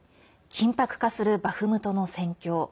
緊迫化するバフムトの戦況。